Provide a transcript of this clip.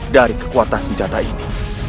dari kekuatan senjata ini